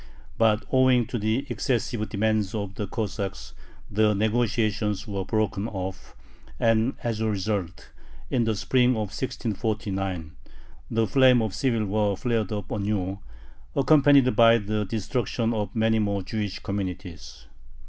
But owing to the excessive demands of the Cossacks the negotiations were broken off, and as a result, in the spring of 1649, the flame of civil war flared up anew, accompanied by the destruction of many more Jewish communities.